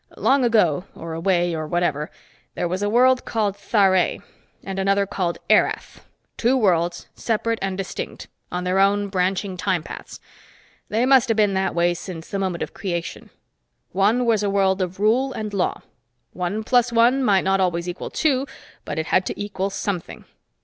Long ago or away, or whatever there was a world called Tharé and another called Erath. Two worlds, separate and distinct, on their own branching time paths. They must have been that way since the moment of creation. One was a world of rule and law. One plus one might not always equal two, but it had to equal something.